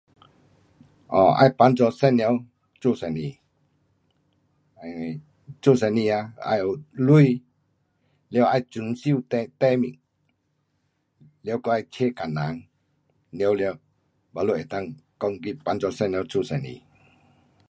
哦,要帮助妇女做生意。um 做生意呀，要有钱,了要装修店，店面，了还有请工人，了了 baru 那个讲去帮助妇女做生意。